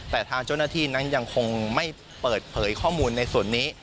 แต่ทางเจ้าหน้าที่นั้นยังคงไม่เปิดเผยข้อมูลในส่วนนี้